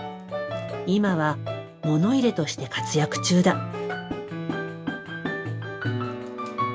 今はモノ入れとして活躍中だ。